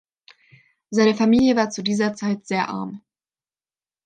Seine Familie war zu dieser Zeit sehr arm.